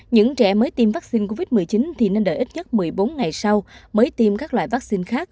những trẻ mới tiêm vaccine covid một mươi chín thì nên đợi ít nhất một mươi bốn ngày sau mới tiêm các loại vaccine khác